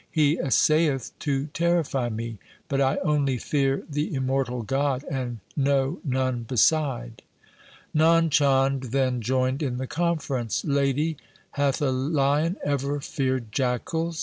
He essayeth to terrify me, but I only fear the immortal God and know none beside.' Nand Chand then joined in the conference :' Lady, hath a lion ever feared jackals